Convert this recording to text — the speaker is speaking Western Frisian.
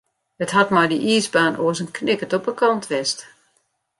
It hat mei dy iisbaan oars in knikkert op de kant west.